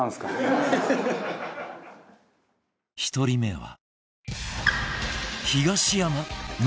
１人目は